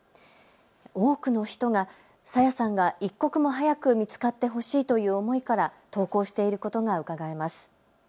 多くの人が朝芽さんが一刻も早く見つかってほしいという思いから投稿していることがうかがえます。